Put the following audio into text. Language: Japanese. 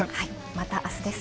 また明日です。